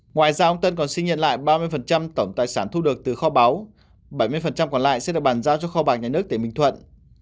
ngoài ra ông tân còn xin nhận lại ba mươi tổng tài sản thu được từ kho báu bảy mươi còn lại sẽ được bàn giao cho kho bạc nhà nước tỉnh bình thuận